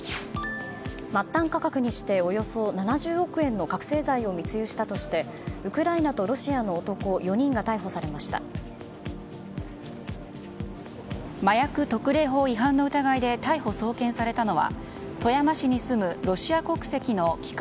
末端価格にしておよそ７０億円の密輸したとしてウクライナとロシアの男４人が麻薬特例法違反の疑いで逮捕・送検されたのは富山市に住むロシア国籍の機械